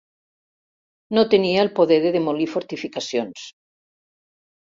No tenia el poder de demolir fortificacions.